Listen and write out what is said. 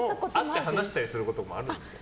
会って話したりすることもあるんですか？